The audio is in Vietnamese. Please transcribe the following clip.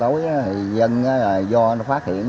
thì dân do nó phát hiện